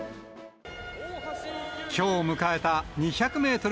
きょう迎えた２００メートル